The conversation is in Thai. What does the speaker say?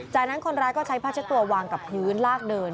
จากนั้นคนร้ายก็ใช้ผ้าเช็ดตัววางกับพื้นลากเดิน